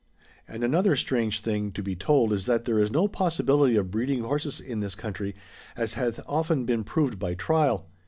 And another strange thing to be told is that there is no possibility of breeding horses in this country, as hath often been proved by trial.